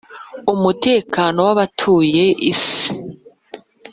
umutekano w abatuye isi